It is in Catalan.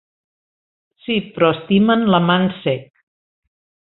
Sí, però estimen l'amant cec.